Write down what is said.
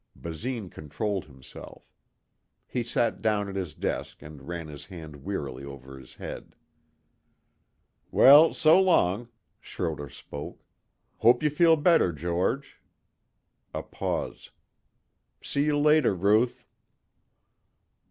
Basine controlled himself. He sat down at his desk and ran his hand wearily over his head. "Well, so long," Schroder spoke. "Hope you feel better, George." A pause. "See you later, Ruth."